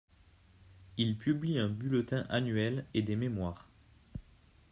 Il publie un bulletin annuel et des Mémoires.